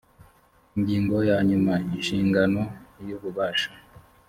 ingingo ya nyuma inshingano n ububasha